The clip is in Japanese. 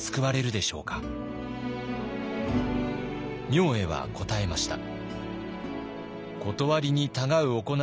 明恵は答えました。